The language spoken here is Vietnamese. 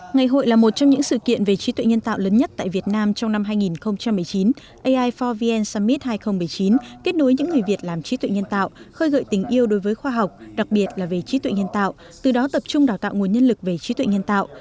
ngày hội là một trong những sự kiện về trí tuệ nhân tạo lớn nhất tại việt nam trong năm hai nghìn một mươi chín ai for vn summit hai nghìn một mươi chín kết nối những người việt làm trí tuệ nhân tạo khơi gợi tình yêu đối với khoa học đặc biệt là về trí tuệ nhân tạo từ đó tập trung đào tạo nguồn nhân lực về trí tuệ nhân tạo